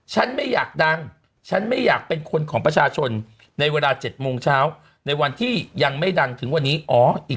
ฉันไม่อยากดังฉันไม่อยากเป็นคนของประชาชนในเวลา๗โมงเช้าในวันที่ยังไม่ดังถึงวันนี้อ๋ออีก